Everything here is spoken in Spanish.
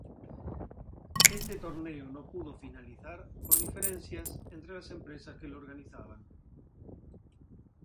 Este torneo no pudo finalizar por diferencias entre las empresas que lo organizaban.